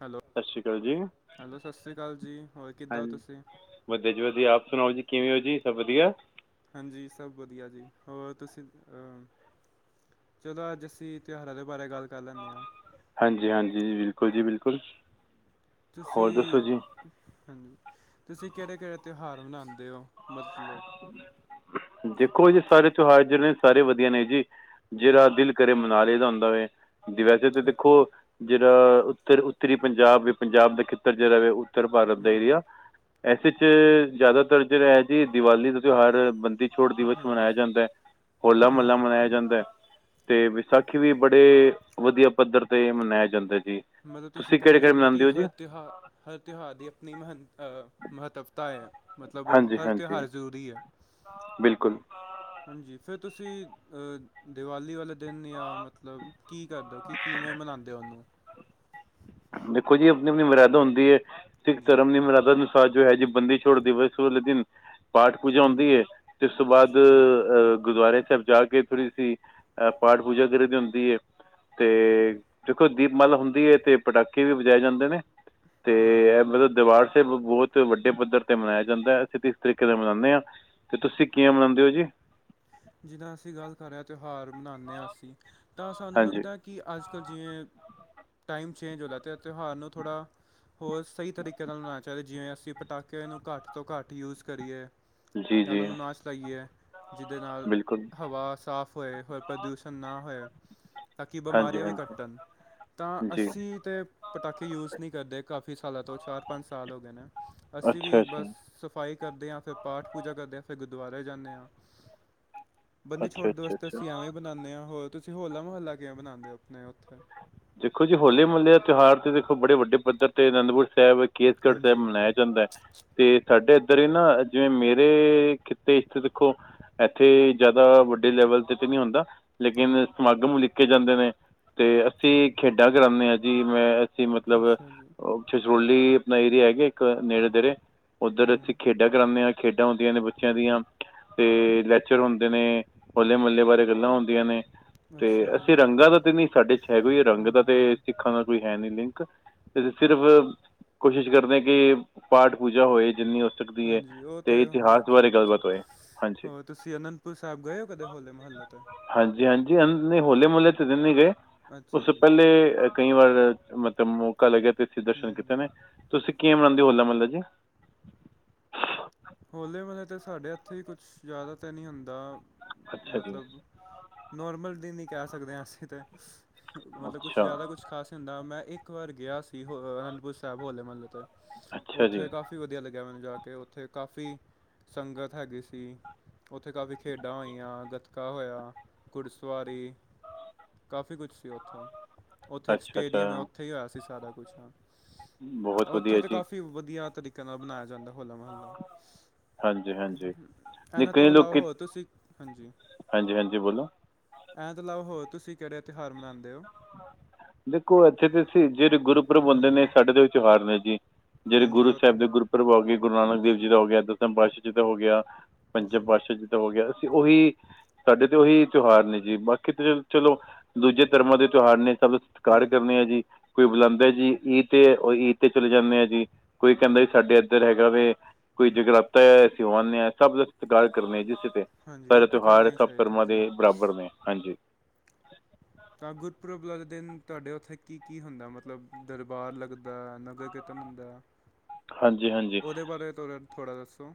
Hello ਸਤਿ ਸ਼੍ਰੀ ਅਕਾਲ ਜੀ ਹੈਲੋ ਸਤਿ ਸ਼੍ਰੀ ਅਕਾਲ ਜੀ ਹੋਰ ਕਿੱਦਾਂ ਹੋ ਹਾਂਜੀ ਤੁਸੀਂ। ਵਧੀਆ ਜੀ ਵਧੀਆ ਆਪ ਸੁਣਾਓ ਜੀ ਕਿਵੇਂ ਹੋ ਜੀ ਸਭ ਵਧੀਆ। ਹਾਂਜੀ ਸਭ ਵਧੀਆ ਜੀ। ਹੋਰ ਤੁਸੀਂ ਅ ਜਦੋਂ ਅੱਜ ਅਸੀਂ ਤਿਉਹਾਰਾਂ ਦੇ ਬਾਰੇ ਗੱਲ ਕਰ ਲੈਂਦੇ ਹਾਂ। ਹਾਂਜੀ ਹਾਂਜੀ ਬਿਲਕੁਲ ਜੀ ਬਿਲਕੁਲ। ਹੋਰ ਦੱਸੋ ਤੁਸੀਂ ਜੀ ਹਾਂਜੀ ਤੁਸੀਂ ਕਿਹੜੇ ਕਿਹੜੇ ਤਿਉਹਾਰ ਮਨਾਉਂਦੇ ਹੋ, ਮਤਲਬ ਦੇਖੋ ਇਹ ਜੀ ਸਾਰੇ ਤਿਉਹਾਰ, ਜਿਹੜੇ ਨੇ ਸਾਰੇ ਵਧੀਆ ਨੇ ਜੀ। ਜਿਹੜਾ ਹੂੰ ਦਿਲ ਕਰੇ ਮਨਾ ਲਈ ਦਾ ਹੁੰਦਾ ਏ, ਵੇਸੇ ਤੇ ਹੂੰ ਦੇਖੋ ਜੇੜਾ ਉੱਤਰ ਉੱਤਰੀ, ਪੰਜਾਬ ਪੰਜਾਬ ਦਾ ਖੇਤਰ ਜੇੜਾ ਵੇ ਉੱਤਰ ਭਾਰਤ ਦਾ ਹੂੰ ਏਰੀਆ। ਐਸੇ ਚ ਜੈਦਾਤਰ ਜੇੜਾ ਐ ਜੀ ਦੀਵਾਲੀ ਦ ਤੇਯੋਹਾਰ ਬੰਦੀ ਛੋੜ ਦਿਵਸ ਮਨਾਏਆ ਹਾਂਜੀ ਜਾਂਦੈ, ਹੋਲਾ-ਮੱਲਾ ਹਾਂਜੀ ਮਨਾਏਆ ਜਾਂਦੈ। ਤੇ ਵਿਸਾਖੀ ਵੀ ਬੜੇ ਵਦੀਆ ਪੱਧਰ ਤੇ ਮਨਾਏਆ ਜਾਂਦਾ ਜੀ। ਮਤਲਬ ਤੁਸੀ ਤੁਸੀਂ ਕੈਣਾ ਕਿਹੜੇ ਕਿਹੜੇ ਚਾਂਦੇ ਓ ਮਨਾਉਂਦੇ ਕਿ ਹੋ ਜੀ ਹਰ ਤੇਓਹਾਰ ਹਰ ਤਓਹਾਰ ਦੀ ਆਪਨੀ ਮਹਂਤ ਅ ਮਹੱਤਵਤਾ ਏ, ਮਤਲਬ ਓ ਹਾਂਜੀ ਹਰ ਹਾਂਜੀ ਤੇਓਹਾਰ ਜ਼ਰੂਰੀ ਐ। ਬਿਲਕੁਲ ਹਾਂਜੀ, ਫੇਰ ਤੁਸੀ ਅ ਦੀਵਾਲੀ ਵਾਲੇ ਦੇਨ ਯਾ ਮਤਲਬ ਕੀ ਕਰਦੇ ਓ, ਕੀ ਕਿਵੇਂ ਮਨਾਉਂਦੇ ਆ ਉਹਨੂੰ। ਦੇਖੋ ਜੀ ਆਪਣੀ ਆਪਣੀ ਮਰਿਆਦਾ ਹੁੰਦੀ ਹੈ ਸਿੱਖ ਹਾਂਜੀ ਧਰਮ ਦੀ ਮਰਿਆਦਾ। ਅੱਜ ਹੈ ਜੀ ਬੰਦੀ ਛੋੜ ਦਿਵਸ ਵਾਲੇ ਦਿਨ। ਪਾਠ ਪੂਜਾ ਹਾਂਜੀ ਹੁੰਦੀ ਹੈ ਤੇ ਉਸ ਤੋਂ ਬਾਅਦ‌ ਅੱਛਾ ਜੀ ਗੁਰਦੁਆਰੇ ਸਾਹਿਬ ਜਾ ਕੇ। ਅੱਗੇ ਥੋੜੀ ਸੀ ਅਹ ਪਾਠ ਪੂਜਾ ਕਰ ਦੀ ਹੁੰਦੀ ਹੈ। ਤੇ ਦੇਖੋ ਦੀਪਮਾਲਾ ਹੁੰਦੀ ਹੈ। ਤੇ ਪਟਾਕੇ ਵੀ ਵਜਾਏ ਜਾਂਦੇ ਨੇ, ਤੇ ਇਹ ਹੂੰ ਮਤਲਬ ਦਰਬਾਰ ਸਾਹਿਬ ਬਹੁਤ ਵੱਡੇ ਪੱਧਰ ਤੇ ਮਨਾਇਆ ਜਾਂਦਾ। ਅਸੀਂ ਤੇ ਇਸ ਤਰੀਕੇ ਨਾਲ ਮਨਾਉਂਦੇ ਹਾਂ। ਅਤੇ ਤੁਸੀਂ ਕਿਵੇ ਮਣਾਉਂਦੇ ਹੋ ਜੀ। ਜਿੱਦਾਂ ਅਸੀਂ ਗੱਲ ਕਰ ਰਹੇ ਹਾਂ, ਤਿਉਹਾਰ ਮਨਾਉਂਦੇ ਹਾਂ ਅਸੀਂ। ਤਾਂ ਸਾਨੂੰ ਹਾਂਜੀ ਲੱਗਦਾ ਕਿ ਅੱਜ ਕੱਲ੍ਹ ਜਿਵੇ ਟਾਈਮ ਚੇਂਜ ਹੋ ਰਿਹਾ ਤੇ ਤਓਹਾਰ ਨੂੰ ਥੋੜਾ, ਹੋਰ ਸਈ ਤਰੀਕੇ ਨਾਲ ਮਨਾਨਾ ਚਾਈਦਾ। ਜਿਵੇਂ, ਅਸੀ ਪਟਾਕੇ ਨੂੰ ਘਾੱਟ ਤੋ ਘਾੱਟ ਯੂਜ਼ ਕਰੀਏ, ਜੀ ਯਾ ਜੀ ਓਨਾਂ ਨੂੰ ਨਾ ਚਲਾਈ ਏ। ਜਿਦੇ ਨਾਲ ਬਿਲਕੁਲ ਹਵਾ ਸਾਫ਼ ਹੋਏ ਹੋਰ ਪ੍ਰਦੂਸ਼ਨ ਨਾ ਹੋਏ। ਤਾਂ ਕਿ ਹਾਂਜੀ ਬਮਾਰੀਆਂ ਵੀ ਹਾਂਜੀ ਘੱਟਨ, ਤਾ ਜੀ ਅਸੀ ਤੇ ਪਟਾਕੇ ਯੂਜ਼ ਨੀ ਕਰਦੇ ਕਾਫੀ ਸਾਲਾਂ ਤੋਂ ਚਾਰ, ਪਾੰਜ ਸਾਲ ਹੋਗੇ ਨੇ। ਅਸੀ ਅੱਛਾ ਵੀ ਜੀ ਬਸ ਸਫ਼ਾਈ ਕਰਦੇ ਆਂ, ਫੇਰ ਪਾਠ ਪੂਜਾ ਕਰਦੇ ਆਂ, ਫੇਰ ਗੁਦੁਆਰੇ ਜਾਨੇ ਆਂ। ਬੰਦੀ ਅੱਛਾ ਛੋੜ ਦਿਵਸ ਅੱਛਾ ਤਾ ਅੱਛਾ ਅਸੀ ਐਵੇਂ ਈ ਮਨਾਨੇ ਆ, ਹੋਰ ਤੁਸੀ ਹੋਲਾ-ਮੋਹੱਲਾ ਕਿਵੇਂ ਮਨਾਂਦੇ ਓ ਆਪਣੇ ਓਥੇ ਦੇਖੋ ਜੀ ਹੋਲੇ-ਮੋਹੱਲੇ ਦਾ ਤਓਹਾਰ ਤਾ ਦੇਖੋ ਬੜੇ ਵੱਡੇ ਪੱਧਰ ਤੇ ਅਨੰਦਪੁਰ ਸੈਬ, ਕੇਸਗੜ੍ਹ ਸੈਬ ਹਾਂਜੀ ਮਨਾਆ ਜਾਂਦਾ, ਤੇ ਸਾਡੇ ਏਧਰ ਈ ਨਾ ਜਿਵੇਂ ਮੇਰੇ ਖਿੱਤੇ ਚ ਦੇਖੋ ਐਥੇ ਜੈ਼ਦਾ ਵੱਡੇ ਲੈਵਲ ਤੇ ਤੇ ਨੀ ਹੁੰਦਾ। ਹਾਂਜੀ ਲੇਕਿਨ ਸਮਾਗਮ ਓਲੀਕੇ ਜਾਂਦੇ ਨੇ, ਤੇ ਅਸੀ ਖੇਡਾਂ ਕਰਾਨੇ ਆਂ ਜੀ, ਮੈਂ ਅਸੀ ਮਤਲਬ ਅੱਛਾ ਜੀ ਛਛਰੋਲੀ ਆਪਨਾ ਏਰੀਆ ਗੇ ਏਕ ਨੇੜੇ-ਤੇੜੇ ਓਧਰ ਅਸੀ ਹੂੰ ਖੇਡਾਂ ਕਰਾਨੇ ਆਂ, ਖੇਡਾਂ ਹੁੰਦੀਆਂ ਨੇ ਬੱਚੇਆਂ ਦੀਆਂ। ਤੇ ਲੈਚਰ ਹੁੰਦੇ ਨੇ, ਹੋਲੇ-ਮੱਲੇ ਬਾਰੇ ਗੱਲਾਂ ਹੁਨ ਦੀਆਂ ਨੇ, ਅੱਛਾ ਤੇ ਜੀ ਅਸੀ ਰੰਗਾਂ ਦਾ ਤੇ ਨੀ ਸਾਡੇ ਚ ਹੈਗੀ ਏ ਰੰਗ ਦਾ ਹੂੰ ਤੇ ਸਿੱਖਾਂ ਦਾ ਕੋਈ ਹੈ ਨੀ ਲਿੰਕ, ਤੇ ਸਿਰਫ ਕੋਸ਼ਿਸ਼ ਕਰਦੇ ਆਂ ਕਿ ਪਾਠ ਪੂਜਾ ਹੋਏ ਜਿੰਨੀ ਹੋ ਸਕਦੀ ਏ, ਹਾਂਜੀ ਉਹ ਤਾਂ ਤੇ ਇਤਿਹਾਸ ਹਰ ਬਾਰੇ ਗੱਲਬਾਤ ਹੋਏ, ਹਾਂਜੀ। ਪੁਰ ਸੈਬ ਗਏ ਓ ਕਦੇ ਹੋਲੇ-ਮਹੱਲੇ ਤੇ ਹਾਂਜੀ, ਹਾਂਜੀ ਹਂ ਹੋਲੇ-ਮੱਲੇ ਤੇ ਤਾ ਨੀ ਗਏ। ਉਸ ਅੱਛਾ ਤੋ ਜੀ ਪ੍ਹੈਲੇ ਕਈਂ ਵਾਰ ਮਤਲਬ ਮੌਕਾ ਲੱਗੇਆ ਤੇ ਏਥੇ ਦਰਸ਼ਨ ਹੂੰ ਕੀਤੇ ਨੇ। ਤੂਸੀਂ ਕਿਵੇਂ ਮਨਾਂਦੇ ਓ ਹੋਲਾ ਮੱਲਾ ਜੀ? ਹੋਲੇ ਮੱਲੇ ਤੇ ਸਾਡੇ ਐੱਥੇ ਕੁੱਛ ਜਾਦਾ ਤੇ ਨੀ ਹੁੰਦਾ, ਅੱਛਾ ਜੀ ਮਤਲਬ ਨੋਰਮਲ ਦਿਨ ਈ ਕੈਹ ਸਕਦੇ ਆਂ ਅਸੀ ਤੇ, ਮਤਲਬ ਕੁੱਛ ਅੱਛਾ ਜਾਦਾ ਕੁੱਛ ਖਾਸ ਹੁੰਦਾ, ਮੈਂ ਇੱਕ ਵਾਰ ਗੇਆ ਸੀ ਹ ਅਨੰਦਪੁਰ ਸੈਬ ਹੋਲੇ ਮੱਲੇ ਤੇ ਅੱਛਾ ਜੀ ਓਥੇ ਕਾਫੀ਼ ਕਾਫੀ ਵਦੀਆ ਲੱਗੇਆ ਮੈਨੂੰ ਜਾ ਕੇ, ਓਥੇ ਕਾਫੀ਼ ਸੰਗਤ ਹੈਗੀ ਸੀ। ਓਥੇ ਕਾਫੀ਼ ਖੇਡਾਂ ਹੋਈਆਂ, ਗੱਤਕਾ ਹੋਏਆ, ਘੁੜ ਸਵਾਰੀ। ਕਾਫ਼ੀ ਕੁਛ ਸੀ ਓਥੇ, ਓਥੇ ਇੱਕ ਅੱਛਾ ਸਟੇਡੀਅਮ ਹੈ, ਅੱਛਾ ਓਥੇ ਈ ਹੋਏਆ ਸੀ ਸਾਰਾ ਕੁੱਛ ਹਾਂ। ਬਹੁਤ ਓਥੇ ਵਧੀਆ ਤੇ ਜੀ ਕਾਫ਼ੀ ਵਦੀਆ ਤਰੀਕੇ ਨਾਲ ਬਨਾਏਆ ਜਾਂਦੈ ਹੋਲਾ ਮਹੱਲਾ। ਹਾਂਜੀ ਹਾਂਜੀ ਨਹੀਂ ਐਨਾਂ ਕਈ ਤੋਂ ਲੋਕ ਅਲਾਵਾ ਕਿ- ਹੋਰ ਤੂਸੀ, ਹਾਂਜੀ। ਹਾਂਜੀ ਹਾਂਜੀ ਬੋਲੋ ਐਨਾ ਤੋ ਅਲਾਵਾ ਹੋਰ ਤੂਸੀ ਕੈੜੇ ਤੇਉਹਾਰ ਮਨਾਂਦੇ ਓ? ਦੇਖੋ ਐੱਥੇ ਤੇ ਅਸੀ ਜੇੜੇ ਗੁਰਪ੍ਰਰਬ ਹੋਂਦੇ ਨੇ ਹੂੰ ਸਾਡੇ ਤੇ ਓਈ ਤਿਉਹਾਰ ਨੇ ਜੀ। ਜੇੜੇ ਹਾਂਜੀ ਗੁਰੂ ਉਹ ਤਾਂ ਸੈਬ ਦੇ ਹੈ ਗੁਰਪੁਰਬ ਹੋ ਗੇ। ਗੁਰੂ ਨਾਨਕ ਦੇਵ ਜੀ ਦਾ ਹੋ ਗੇਆ, ਦਸਮ ਪਾਤਸ਼ਾ ਜੀ ਦਾ ਹੋ ਗੇਆ, ਪੰਚਮ ਪਾਤਸ਼ਾ ਜੀ ਦਾ ਹੋ ਗੇਆ ਅਸੀ ਓਈ ਸਾਡੇ ਤੇ ਓਈ ਤਿਉਹਾਰ ਨੇ ਜੀ, ਬਾਕੀ ਤੇ ਚਲ, ਚਲੋ ਦੂਜੇ ਧਰਮਾਂ ਦੇ ਤਿਉਹਾਰ ਨੇ ਸਬ, ਸਤਕਾਰ ਹੂੰ ਕਰਨੇ ਆ ਜੀ। ਕੋਈ ਬੁਲਾਂਦੈ ਜੀ ਈਦ ਤੇ, ਓ ਈਦ ਤੇ ਚਲੇ ਜਾਂਨੇ ਆ ਜੀ, ਕੋਈ ਕੈਂਦਾ ਜੀ ਸਾਡੇ ਐਦੱਰ ਹੈਗਾ ਵੇ ਕੋਈ ਜਗਰਾਤਾ ਐ, ਅਸੀ ਹੋ ਆਨੇਆ, ਸਬ ਦਾ ਸਤਕਾਰ ਕਰਨੇ ਜੀ ਅਸੀ ਤੇ। ਹਾਂਜੀ ਸਾਰੇ ਉਹ ਤਾਂ ਕਰਨਾ ਤਉਹਾਰ ਹੀ ਸਬ ਚਾਹੀਦਾ ਧਰਮਾਂ ਜੀ ਦੇ ਬਰਾਬਰ ਨੇ, ਹਾਂਜੀ। ਤਾਂ ਗੁਰਪੁਰਬ ਆਲੇ ਦਿਨ ਤੂਆਡੇ ਓਥੇ ਕੀ, ਕੀ ਹੁੰਦੈ, ਮਤਲਬ ਦਰਬਾਰ ਲੱਗਦੈ, ਨਗਰ ਕੀਰਤਨ ਹੁੰਦੈ ਹਾਂਜੀ ਹਾਂਜੀ ਓਦੇ ਬਾਰੇ ਤੋੜਾ, ਥੋੜਾ ਦੱਸੋ?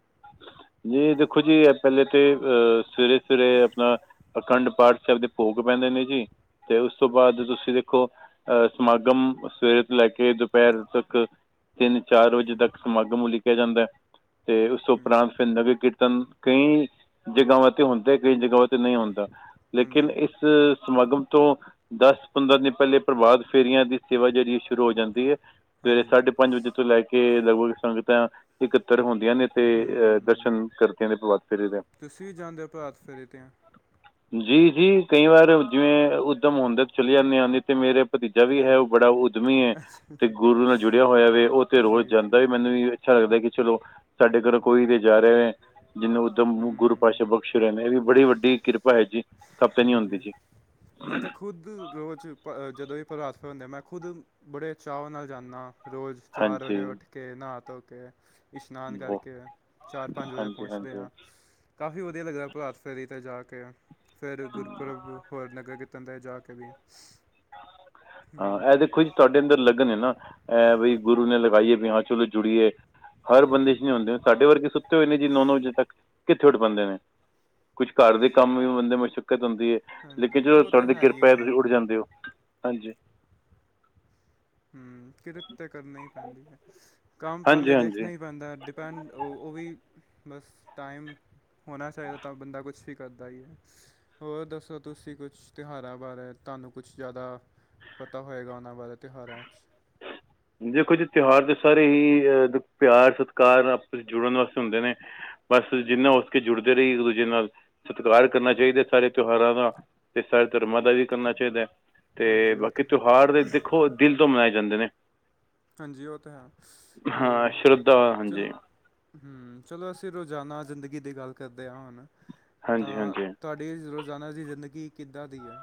ਜੀ ਦੇਖੋ ਜੀ, ਪੈਲੇ ਤੇ ਅ ਸਵੇਰੇ, ਸਵੇਰੇ ਅਪਨਾ ਅਖੰਡ-ਪਾਠ ਸੈਬ ਦੇ ਭੋਗ ਪੈਂਦੇ ਨੇ ਜੀ, ਤੇ ਉਸ ਤੋ ਬਾਦ ਤੂਸੀ ਦੇਖੋ ਅ ਸਮਾਗਮ ਸਵੇਰੇ ਤੋ ਲੈ ਕੇ ਦੂਪੈਰ ਤੱਕ ਤਿੰਨ-ਚਾਰ ਵਜੇ ਤੱਕ ਸਮਾਗਮ ਉਲੀਕਿਆ ਜਾਂਦੈ, ਤੇ ਉਸ ਤੋਂ ਹੂੰ ਉਪਰਾੰਤ ਫੇਰ ਨਗਰ ਕੀਰਤ ਕਈਂ ਜਗਾਵਾਂ ਤੇ ਹੁੰਦੈ, ਕਈ ਜਗਾਵਾਂ ਤੇ ਨਹੀਂ ਹੁੰਦਾ, ਲੇਕਿਨ ਹਾਂਜੀ ਇਸ ਸਮਾਗਮ ਤੋਂ ਦਾੱਸ-ਪੰਦਰਾਂ ਦਿਨ ਪੈਲੇ ਪ੍ਰਭਾਤ ਫੇਰੀਆਂ ਦੀ ਸੇਵਾ ਜੇੜੀ ਏ ਸ਼ੁਰੂ ਹੋ ਜਾਂਦੀ ਏ, ਸਵੇਰੇ ਹਾਂਜੀ ਸਾਡੇ ਪਾੰਜ ਵਜੇ ਤੋਂ ਲੈ ਕੇ ਲਗਭਗ ਸੰਗਤਾਂ ਇਕੱਤਰ ਹੁੰਦੀਆਂ ਨੇ ਅ ਹੂੰ ਦਰਸ਼ਨ ਕਰਦੀਆਂ ਨੇ ਪ੍ਰਭਾਤ ਫੇਰੀ ਦੇ। ਤੁਸੀਂ ਵੀ ਜਾਂਦੇ ਹੋ ਪ੍ਰਭਾਤ ਫੇਰੇ 'ਤੇ ਜੀ, ਜੀ ਕਈਂ ਵਾਰ ਜਿਵੇਂ ਉੱਦਮ ਹੁੰਦੈ ਤੇ ਚਲੇ ਜਾਂਨੇ ਆਂ, ਨੀ ਤੇ ਮੇਰੇ ਭਤੀਜਾ ਵੀ ਹੈ, ਹਾਂਜੀ ਓ ਬੜਾ ਉੱਦਮੀ ਏ, ਤੇ ਗੁਰੂ ਨਾਲ ਜੁੜੇਆ ਹੋਏਆ ਵੇ, ਓ ਅੱਛਾ ਤੇ ਰੋਜ ਜੀ ਜੀ ਜਾਂਦੈ ਮੈਨ ਵੀ ਏ ਅੱਛਾ ਲੱਗਦੈ, ਕਿ ਚਲੋ ਸਾਡੇ ਘਰੋ ਕੋਈ ਤੇ ਜਾ ਰੇਆ ਏ। ਜਿਂਵੇ ਉਦੱਮ ਗੁਰੂ ਹੂੰ ਪਾਤਸ਼ਾ ਬਕਸ਼ ਰਏ ਨੇ, ਏ ਵੀ ਬੜੀ ਵੱਡੀ ਕਿਰਪ ਹਾਂਜੀ, ਮੈਂ ਤੇ ਖੁੱਦ ਰੋਜ ਪ ਜਦੋਂ ਵੀ ਪ੍ਰਭਾਤ ਫੇ ਹੋਂਦੀ, ਮੈਂ ਖੁੱਦ ਬੜੇ ਚਾਵਾਂ ਨਾਲ ਜਾਂਨਾ, ਰੋਜ ਚਾਰ ਹਾਂਜੀ ਵਜੇ ਓਠੱ ਕੇ ਨਾਅ ਧੋ ਕੇ, ਇਸ਼ਨਾਨ ਉਹ ਕਾਰਕੇ ਚਾਰ ਪਾੰਜ ਵਜੇ ਹਾਂਜੀ ਪੋਂਚਦੇ ਹਾਂਜੀ ਆਂ। ਕਾਫੀ ਵਦੀਆ ਲਗਦੈ ਪ੍ਰਭਾਤ ਫੇਰੀ ਤੇ ਜਾ ਕੇ ਫੇਰ ਹਮ, ਗੁਰਪੁਰਬ, ਹੋਰ ਨਗਰ ਕੀਰਤਨ ਤੇ ਜਾ ਕੇ ਵੀ। ਹਾਂ, ਹੂੰ ਐ ਦੇਖੋ ਈ ਤੂਆਡੇ ਅੰਦਰ ਲਗਨ ਏ ਨਾ, ਐ ਬਈ ਗੁਰੂ ਨੇ ਲਗਾਈ ਏ, ਵੀ ਹਾਂ ਚਲੋ ਜੁੜੀਏ। ਹਰ ਬੰਦੇ ਚ ਨੀ ਹੋਂਦੇ, ਸਾਡੇ ਵਰਗੇ ਸੁੱਤੇ ਹੋਏ ਨੇ ਜੀ ਨੌ, ਨੌ ਵਜੇ ਤੱਕ, ਕਿੱਥੇ ਉਠ ਪਾਂਦੇ ਨੇ ਕੁਝ ਘਾਰ ਦੇ ਕਾੰਮ ਵੀ ਬੰਦੇ ਮੁਸ਼ੱਕਤ ਹੋਂਦੀ ਏ, ਲੇਕਿਨ ਹਾਂਜੀ ਜੋਂ ਉਹ ਤਾਂ ਤੂਆਡੇ ਹੈ ਹੀ ਕਿਰਪਾ ਐ, ਹੈ ਤੂਸੀ ਉੱਠ ਜਾਂਦੇ ਓ। ਹਾਂਜੀ। ਹੂੰ, ਕਿਰਤ ਤੇ ਕਰਨਾ ਈ ਪੈਂਦੀ ਏ, ਕਾੰਮ ਹਾਂਜੀ ਪੈਲੇ ਹਾਂਜੀ ਦੇਖਨਾ ਈ ਪੈਂਦੈ ਡਿਪ ਪੈਂਡ ਓ ਓਵੀ ਬਸ ਟਾਈਮ ਹੋਣਾ ਚਾਈਦਾ ਤਾਂ ਬੰਦਾ ਕੁੱਛ ਵੀ ਕਰਦਾ ਈ ਏ। ਹੋਰ ਦੱਸੋ ਤੂਸੀ ਕੁੱਛ ਤਿਉਹਾਰਾਂ ਬਾਰੇ ਤੂਆਨੂੰ ਕੁੱਛ ਜਾਦਾ? ਪਤਾ ਹੋਏਗਾ ਓਨਾਂ ਬਾਰੇ ਤਿਉਹਾਰਾਂ ਚ ਦੇਖੋ ਜੀ ਤਿਉਹਾਰ ਦੇ ਸਾਰੇ ਹੀ ਅ ਪੇਆਰ, ਸਤਕਾਰ ਆਪਸ ਇਚ ਜੁੜਨ ਵਸਤੇ ਹੁੰਦੇ ਨੇ। ਬਸ ਜਿੰਨਾ ਹੋ ਸਕੇ, ਜੁੜਦੇ ਰਹੀਏ ਇੱਕ ਦੂਜੇ ਨਾਲ ਸਤਿਕਾਰ ਕਰਨਾ ਚਾਹੀਦਾ ਸਾਰੇ ਤਿਉਹਾਰਾਂ ਦਾ, ਤੇ ਸਾਰੇ ਧਰਮਾਂ ਦਾ ਵੀ ਕਰਨਾ ਚਾਹੀਦਾ। ਤੇ ਹਾਂਜੀ ਉਹ ਬਾਕੀ ਤਾਂ ਹੈ ਤਿਉਹਾਰ ਤੇ ਦੇਖੋ ਦਿਲ ਤੋਂ ਮਨਾਏ ਜਾਂਦੇ ਨੇ ਹਾਂਜੀ ਉਹ ਤਾਂ ਹੈ, ਹਾਂ ਹੋਰ ਸ਼ਰਧਾ ਚੱਲ ਹਾਂਜੀ ਹ ਚਲੋ ਅਸੀਂ ਰੋਜ਼ਾਨਾ ਜ਼ਿੰਦਗੀ ਦੀ ਗੱਲ ਕਰਦੇ ਹਾਂ ਹੁਣ, ਹਾਂਜੀ ਤਾਂ ਹਾਂਜੀ ਤੁਹਾਡੇ ਤੇ ਰੋਜ਼ਾਨਾ ਦੀ ਜ਼ਿੰਦਗੀ ਕਿੱਦਾਂ ਦੀ ਹੈ।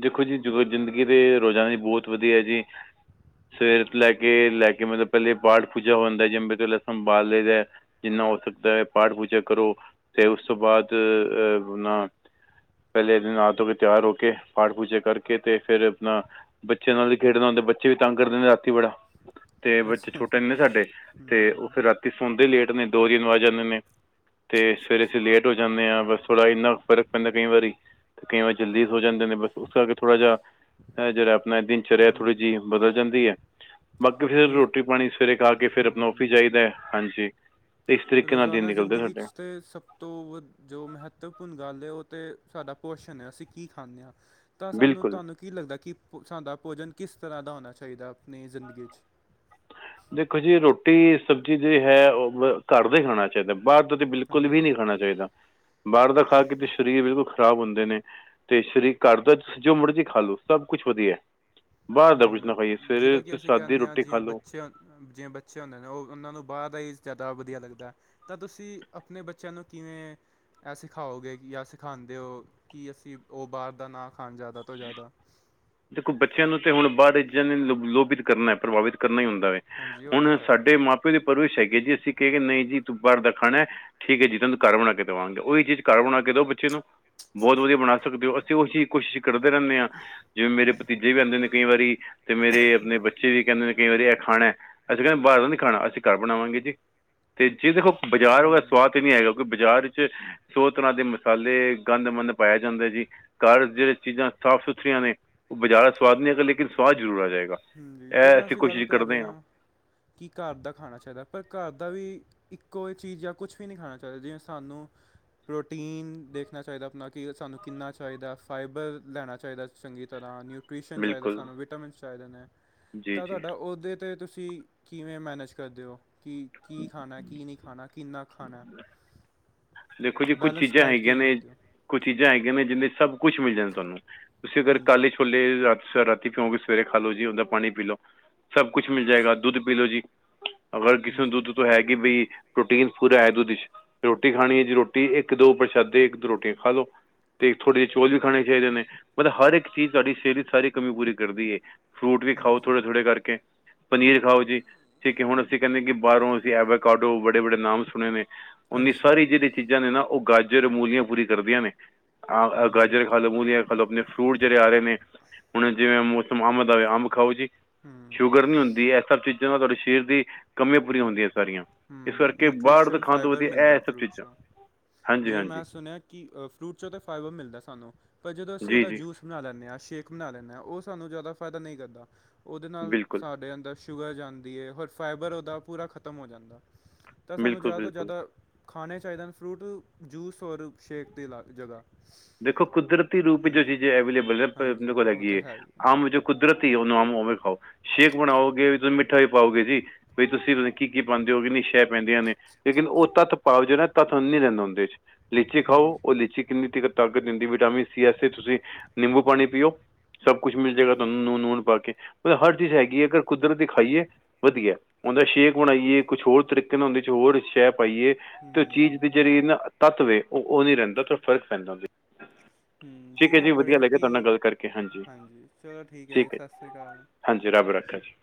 ਦੇਖੋ ਜੀ ਜ, ਜ਼ਿੰਦਗੀ ਦੇ ਰੋਜ਼ਾਨਾ ਦੀ ਬਹੁਤ ਵਧੀਆ ਹੈ ਜੀ। ਸਵੇਰ ਤੋਂ ਲੈ ਕੇ ਲੈ ਕੇ, ਮਤਲਬ ਪਹਿਲੇ ਪਾਠ ਪੂਜਾ ਹੁੰਦਾ ਜੰਬੇ ਤੋਂ ਸੰਭਾਲ ਲਦੇ ਜਿੰਨਾ ਹੋ ਸਕਦਾ ਹੈ, ਪਾਠ ਪੂਜਾ ਕਰੋ ਤੇ ਉਸ ਤੋਂ ਬਾਅਦ ਅਪਣਾ ਪਹਿਲੇ ਦਿਨ ਨਹਾ ਧੋ ਕੇ, ਤਿਆਰ ਹੋ ਕੇ ਪਾਠ ਪੂਜਾ ਕਰਕੇ ਤੇ ਫਿਰ ਆਪਣਾ ਬੱਚਿਆਂ ਨਾਲ ਵੀ ਖੇਡਣਾ ਹੁੰਦੇ, ਬੱਚੇ ਵੀ ਤੰਗ ਕਰਦੇ ਨੇ ਰਾਤੀ ਬੜਾ। ਤੇ ਬੱਚੇ ਅੱਛਾ ਛੋਟੇ ਜੀ, ਨੇ ਸਾਡੇ ਤੇ ਉਹ ਹੂੰ, ਫੇਰ ਰਾਤੀ ਸੌਦੇ ਲੇਟ ਨੇ, ਦੋ ਤਿਨ ਵੱਜ ਜਾਂਦੇ ਨੇ। ਤੇ ਸਵੇਰੇ ਅਸੀਂ ਲੇਟ ਹੋ ਜਾਂਦੇ ਆਂ, ਬਸ ਥੋੜ੍ਹਾ ਇੰਨਾ ਫਰਕ ਪੈਂਦਾ ਕਈ ਵਾਰੀ। ਕਈ ਵਾਰ ਜਲਦੀ ਹੋ ਜਾਂਦੇ ਨੇ, ਬਸ ਉਸ ਕਰ ਆਕੇ ਥੜਾ ਜਿ ਜਿਰਾੜ ਆਪਣਾ ਦਿਨਚਰਿਆ ਥੋੜੀ ਹੂੰ, ਜਿਹੀ। ਬਦਲ ਜਾਂਦੀ ਹੈ, ਬਾਕੀ ਫਿਰ ਰੋਜ਼ ਰੋਟੀ ਪਾਣੀ ਸਵੇਰੇ ਖਾ ਕੇ, ਫਿਰ ਆਪਣਾ ਹੂੰ। ਔਫਿਸ ਜਾਇਦਾ ਹਾਂਜੀ। ਅਤੇ ਇਸ ਤਰੀਕੇ ਨਾਲ ਦਿਨ ਰੋਜ਼ਾਨਾ ਨਿਕਲਦੇ ਜ਼ਿੰਦਗੀ ਸਾਡੇ 'ਚ ਤੇ ਸਭ ਤੋਂ ਜੋ ਮਹੱਤਵਪੂਰਨ ਗੱਲ ਹੈ ਉਹ ਤੇ ਸਾਡਾ ਪੋਸ਼ਣ ਹੈ, ਅਸੀਂ ਕੀ ਖਾਂਦੇ ਹਾਂ। ਤਾਂ ਸਾਨੂੰ ਬਿਲਕੁਲ ਤੁਹਾਨੂੰ ਕੀ ਲੱਗਦਾ ਕਿ ਸਾਡਾ ਭੋਜਨ ਕਿਸ ਤਰ੍ਹਾਂ ਦਾ ਹੋਣਾ ਚਾਹੀਦਾ, ਆਪਣੀ ਜ਼ਿੰਦਗੀ 'ਚ। ਦੇਖੋ ਜੀ ਰੋਟੀ ਸਬਜ਼ੀ ਜਿਹੜੀ ਹੈ ਉਹ ਘਰ ਦਾ ਖਾਣਾ ਚਾਹੀਦਾ, ਬਾਹਰ ਦਾ ਤਾਂ ਬਿਲਕੁਲ ਹਾਂਜੀ। ਵੀ ਨਹੀਂ ਖਾਣਾ ਚਾਹੀਦਾ, ਬਾਹਰ ਦਾ ਖਾ ਕੇ ਤੇ ਸਰੀਰ ਬਿਲਕੁਲ ਖ਼ਰਾਬ ਹੁੰਦੇ ਨੇ। ਤੇ ਸ਼ਰੀਕ, ਘਰ ਦਾ ਜੋ ਮਰਜ਼ੀ ਖਾ ਲਓ ਸਭ ਕੁਛ ਵਧੀਆ। ਬਾਹਰ ਹੂ, ਦਾ ਕੁਛ ਨਾ ਖਾਈਏ ਸਵੇਰੇ ਜਿਹਦਾਂ ਕਿ ਤੁਸੀਂ ਅਸੀਂ ਸਾਦੀ ਕਹਿੰਦੇ ਹਾਂ ਰੋਟੀ ਖਾ ਜਿਵੇਂ ਲਓ ਬੱਚਿਆਂ ਜਿਵੇਂ ਬੱਚੇ ਹੁੰਦੇ ਨੇ ਉਹ, ਉਹਨਾਂ ਨੂੰ ਬਾਹਰ ਦਾ ਹੀ ਜ਼ਿਆਦਾ ਵਧੀਆ ਲੱਗਦਾ। ਤਾਂ ਤੁਸੀਂ ਆਪਣੇ ਬੱਚਿਆਂ ਨੂੰ ਕਿਵੇਂ ਇਹ ਸਿਖਾਓਗੇ ਜਾਂ ਸਿਖਾਉਂਦੇ ਹੋ, ਕਿ ਅਸੀਂ ਉਹ ਬਾਹਰ ਦਾ ਨਾ ਖਾਣ ਜ਼ਿਆਦਾ ਤੋਂ ਜ਼ਿਆਦਾ। ਦੇਖੋ ਬੱਚਿਆਂ ਨੂੰ ਤੇ ਹੁਣ ਬਾਹਰ ਨੇ ਲੋ ਲੋਭਿਤ ਕਰਨਾ, ਪ੍ਰਭਾਵਿਤ ਕਰਨਾ ਹੀ ਹੁੰਦਾ ਵੇ ਹਾਂਜੀ ਉਹ ਤਾਂ ਹੁਣ ਹੈ ਹੀ ਸਾਡੇ ਮਾ ਪਿਓ ਦੇ ਪਰਵਿਸ਼ ਹੈਗੇ ਜੀ, ਅਸੀਂ ਕਹਿ ਗਏ ਨਹੀਂ ਜੀ ਤੂੰ ਬਾਹਰ ਦਾ ਖਾਣਾ। ਠੀਕ ਹੈ ਜੀ, ਤੁੈਨੂੰ ਘਰ ਬਣਾ ਕੇ ਦੇਵਾਂਗੇ, ਉਹੀ ਚੀਜ਼ ਘਰ ਬਣਾ ਕੇ ਦਓ ਬੱਚੇ ਨੂੰ ਬਹੁਤ ਵਧੀਆ ਬਣਾ ਸਕਦੇ ਹੋ, ਅਸੀਂ ਉਹ ਚੀਜ ਕੋਸ਼ਿਸ਼ ਕਰਦੇ ਰਹਿੰਦੇ ਹਾਂ, ਜਿਵੇਂ ਮੇਰੇ ਭਤੀਜੇ ਵੀ ਆਉਂਦੇ ਨੇ ਕਈ ਵਾਰੀ, ਤੇ ਮੇਰੇ ਆਪਣੇ ਬੱਚੇ ਜੇੲ ਇਹ ਕਹਿੰਦੇ ਨੇ ਕਈ ਵਾਰੀ ਇਹ ਖਾਣਾ, ਅਸੀਂ ਕਹਿੰਦੇ ਬਾਹਰ ਦਾ ਨਹੀਂ ਖਾਣਾ, ਅਸੀਂ ਘਰ ਬਣਾਵਾਂਗੇ ਜੀ ਤੇ ਜਿਹਦੇ ਬਾਜ਼ਾਰ ਉਹਦਾ ਹੂੰ ਸਵਾਦ ਤੇ ਨੀ ਹੈਗਾ, ਕਿਉਂਕਿ ਬਾਜ਼ਾਰ ਚ ਸੌ ਤਰ੍ਹਾਂ ਦੇ ਮਸਾਲੇ, ਗੰਦਮੰਦ ਪਾਇਆ ਜਾਂਦਾ ਜੀ, ਘਰ ਜਿਹੜੇ ਚੀਜ਼ਾਂ ਸਾਫ਼ ਸੁਥਰੀਆਂ ਨੇ, ਉਹ ਬਜ਼ਿਆਾਰਾ ਸਵਾਦ ਨਹੀਂ ਹੈਗਾ ਲੇਕਿਨ ਸਵਾਦ ਜ਼ਰੂਰ ਆ ਜਾਏਗਾ। ਹਜੀ ਇਹ ਜਿੱਦਾਂ ਅਸੀਂ ਗੱਲ ਕੋਸ਼ਿਸ਼ ਕਰ ਰਹੇ ਕਰਦੇ ਹਾਂ ਆਂ, ਕਿ ਘਰ ਦਾ ਖਾਣਾ ਚਾਹੀਦਾ ਪਰ ਘਰ ਦਾ ਵੀ। ਇੱਕੋ ਹੀ ਚੀਜ਼ ਜਾਂ, ਕੁਛ ਵੀ ਨਹੀਂ ਖਾਣਾ ਚਾਹੀਦਾ, ਜਿਵੇਂ ਸਾਨੂੰ। ਪ੍ਰੋਟੀਨ ਦੇਖਣਾ ਚਾਹੀਦਾ ਆਪਣਾ, ਕਿ ਸਾਨੂੰ ਕਿੰਨਾ ਚਾਹੀਦਾ ਫਾਈਬਰ ਲੈਣਾ ਚਾਹੀਦਾ। ਚੰਗੀ ਤਰ੍ਹਾਂ ਨਿਊ ਨੂਟ੍ਰਿਸ਼ਨ ਚਾਹੀਦਾ ਬਿਲਕੁਲ ਸਾਨੂੰ, ਵਿਟਾਮਿਨਸ ਚਾਹੀਦੇ ਨੇ, ਜੀ ਤਾਂ ਜੀ ਤੁਹਾਡਾ ਉਹਦੇ 'ਤੇ ਤੁਸੀਂ। ਕਿਵੇਂ ਮੈਨੇਜ ਕਰਦੇ ਹੋ, ਕਿ ਕੀ ਖਾਣਾ, ਕੀ ਨਹੀਂ ਖਾਣਾ, ਕਿੰਨਾ ਖਾਣਾ। ਦੇਖੋ ਜੀ ਕੁਝ ਬੈਲੇਂਸ ਚੀਜ਼ਾਂ ਡਾਇਟ ਹੈਗੀਆਂ ਕਿਵੇਂ ਨੇ ਰੱਖਦੇ ਹੋ? ਕੁਝ ਚੀਜ਼ਾਂ ਹੈਗੀਆਂ ਨੇ, ਜਿੰਹਦੇ ਚ ਸਭ ਕੁਛ ਮਿਲ ਜਾਂਦੇ ਤੁਹਾਨੂੰ, ਤੁਸੀਂ ਅਗਰ ਹਾਂਜੀ ਕਾਲੇ ਛੋਲੇ ਰਾਤੀ ਪਿਉਂਗੇ ਸਵੇਰੇ ਖਾ ਲੋ ਜੀ, ਉਹਦਾ ਪਾਣੀ ਪੀ ਲ ਲੋ। ਸਭ ਕੁਛ ਮਿਲ ਜਾਏਗਾ, ਅੱਛਾ ਦੁੱਧ ਪੀ ਲਓ ਜੀ। ਅਗਰ ਕਿਸੇ ਨੂੰ ਹਾਂਜੀ ਦੁੱਧ ਤੋਂ ਹੈਗੀ, ਬਈ ਪ੍ਰੋਟੀਨ ਪੂਰਾ ਹੈ ਦੁੱਧ। ਰੋਟੀ ਖਾਣੀ ਹੈ ਜੀ ਰੋਟੀ, ਇੱਕ ਦੋ ਪ੍ਰਸ਼ਾਦੇ ਇੱਕ ਦੋ ਰੋਟੀ ਖਾ ਲੋੋ। ਤੇ ਥੋੜ੍ਹੇ ਜਿਹੇ ਚੌਲ ਵੀ ਖਾਣੇ ਚਾਹੀਦੇ ਨੇ, ਮਤਲਬ ਹਰ ਇੱਕ ਚੀਜ਼ ਸਾਡੀ ਸਿਹਤ ਵਿੱਚ ਸਾਰੀ ਕਮੀ ਪੂਰੀ ਕਰਦੀ ਹੈ। ਫਰੂਟ ਵੀ ਖਾਓ, ਥੋੜ੍ਹੇ ਹਾਂਜੀ ਥੋੜ੍ਹੇ ਕਰਕੇ। ਪਨੀਰ ਖਾਓ ਜੀ, ਠੀਕ ਹੈ ਹੁਣ ਅਸੀਂ ਕਹਿੰਦੇ ਕਿ ਬਾਹਰੋਂ ਅਸੀਂ ਐਵੇ ਕਾਡੋ, ਬੜੇ ਬੜੇ ਨਾਮ ਸੁਣੇ ਨੇ। ਉਨੀ ਹਾਂਜੀ। ਸਾਰੀ ਜਿਹੜੀ ਚੀਜ਼ਾਂ ਨੇ ਨਾ ਉਹ ਗਾਜਰ ਮੂਲੀਆਂ ਪੂਰੀ ਕਰਦੀਆਂ ਨੇ ਅ ਹਾਂਜੀ ਉਹ ਗਾਜਰ ਖਾ ਤਾਂ ਲ ਮੂਲੀਆਂ। ਖਲੋ ਆਪਣੇ ਫਰੂਟ ਜਿਹੜੇ ਆ ਰਹੇ ਨੇ ਹੁਣ ਜਿਵੇਂ ਮੌਸਮ ਅੰਬ ਦਾ ਹੋਵੇ ਅੰਬ ਖਾਓ ਜੀ। ਹੂੰ ਸ਼ੂਗਰ ਨੀ ਹੁੰਦੀ ਇਹ ਸਭ ਚੀਜ਼ਾਂ ਨਾਲ ਤੁਹਾਡੇ ਸਰੀਰ ਦੀ ਕੰਮੀਆਂ ਪੂਰੀਆਂ ਹੁੰਦੀਆਂ ਸਾਰੀਆਂ ਇਸ ਕਰਕੇ ਬਾਹਰ ਤੋਂ ਖਾਣ ਤੋਂ ਵਧੀਆ ਇਹ ਚੀਜ਼ਾਂ ਹਾਂਜੀ ਜਿਵੇ ਮੈਂ ਹਾਂਜੀ ਸੁਣਿਆ ਕਿ ਫਰੂਟ ਚੋਂ ਤਾਂ ਫਾਈਬਰ ਮਿਲਦਾ ਸਾਨੂੰ। ਪਰ ਜਦੋਂ ਅਸੀਂ ਜੀ ਉਹਦਾ ਜੀ ਜੂਸ ਬਣਾ ਲੈਂਦੇ ਹਾਂ ਸ਼ੇਕ ਬਣਾ ਲੈਂਦੇ ਉਹ ਸਾਨੂੰ ਜ਼ਿਆਦਾ ਫਾਇਦਾ ਨਹੀਂ ਕਰਦਾ। ਉਹਦੇ ਨਾਲ ਬਿਲਕੁਲ ਸਾਡੇ ਅੰਦਰ ਸ਼ੂਗਰ ਜਾਂਦੀ ਹੈ ਹੋਰ ਫਾਈਬਰ ਉਹਦਾ ਪੂਰਾ ਖਤਮ ਹੋ ਜਾਂਦਾ। ਤਾਂ ਸਾਨੂੰ ਬਿਲਕੁਲ ਜ਼ਿਆਦਾ ਤੋਂ ਬਿਲਕੁਲ ਜ਼ਿਆਦਾ ਖਾਣੇ ਚਾਹੀਦੇ ਨੇ ਫਰੂਟ ਜੂਸ ਔਰ ਸ਼ੇਕ ਦੇ ਲਾ ਜਗ੍ਹਾ। ਦੇਖੋ ਕੁਦਰਤੀ ਰੂਪ ਜੋ ਹਾਂਜੀ ਚੀਜ਼ ਅਵੇਲੇਬਲ ਹੈ। ਮੇਰੇ ਹਾਂਜੀ ਕੋਲ ਉਹ ਤਾਂ ਹੈਗੀ। ਹੈ ਹੀ ਹੈ। ਅੰਬ ਕੁਦਰਤੀ ਹੀ ਉਹਨੂੰ ਅੰਬ ਉਵੇਂ ਖਾਓ ਸ਼ੇਕ ਬਣਾਓਗੇ ਤੁਸੀਂ ਮਿੱਠਾ ਵੀ ਪਾਓਗੇ ਜੀ। ਵੀ ਤੁਸੀਂ ਕੀ ਪਾਉਂਦੇ ਹੋਗੇ। ਇਹਦੇ'ਚ ਪੈਂਦੀਆਂ ਨੇ ਲੇਕਿਨ ਉਹ ਤੱਥ ਪਾਓ ਜਿਹੜਾ ਤੱਥ ਨਹੀਂ ਰਹਿਦੇ ਹੁੰਦੇ। ਲੀਚੀ ਖਾਓ ਹਾਂਜੀ ਉਹ ਲੀਚੀ ਕਿੰਨੀ ਤਾਕਤ ਦਿੰਦੀ ਵਿਟਾਮਨ ਸੀ। ਤੁਸੀਂ ਨਿੰਬੂ ਪਾਣੀ ਪੀਓ। ਸਭ ਕੁਛ ਮਿਲ ਜਾਏਗਾ ਤੁਹਾਨੂੰ ਲੂਣ ਲੂਣ ਪਾ ਕੇ ਮਤਲਬ ਹਰ ਚੀਜ਼ ਹੈਗੀ ਹੈ ਅਗਰ ਕੁਦਰਤ ਦੀ ਖਾਈਏ। ਵਧੀਆ ਉਹਦਾ ਸ਼ੇਕ ਬਣਾਈਏ ਕੁਛ ਹੋਰ ਤਰੀਕੇ ਨਾਲ ਉਹਦੇ ਚ ਹੋਰ ਸ਼ੈ ਪਾਈਏ। ਤੇ ਉਹ ਚੀਜ਼ ਹੂੰ ਦੀ ਜਿਹੜੀ ਨਾ ਤੱਤ ਵੇਖੋ ਉਹ ਨੀ ਰਹਿੰਦਾ ਤੇ ਫ਼ਰਕ ਪੈਂਦਾ। ਹੂੰ ਠੀਕ ਹੈ ਮੈਂ ਜੀ ਵਧੀਆ ਪੜ੍ਹਿਆ ਲੱਗਿਆ ਕਿ ਤੁਹਾਡੇ ਨਾਲ ਗੱਲ ਕਰਕੇ ਹਾਂਜੀ ਠੀਕ ਹੈ ਜੀ। ਹਾਂਜੀ, ਰੱਬ ਰਾਖਾ ਜੀ।